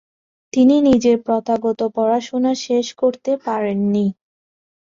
তিনি নিজের প্রথাগত পড়াশোনা শেষ করতে পারেন নি।